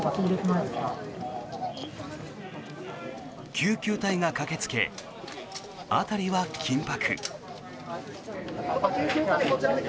救急隊が駆けつけ辺りは緊迫。